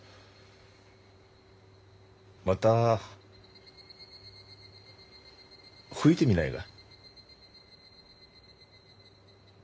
また吹いてみないが？